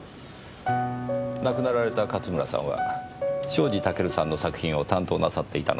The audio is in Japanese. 亡くなられた勝村さんは庄司タケルさんの作品を担当なさっていたのですか？